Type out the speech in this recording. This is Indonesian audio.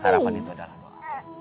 harapan itu adalah